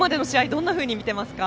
どのように見ていますか？